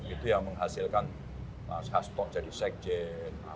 itu yang menghasilkan haspok jadi sekjen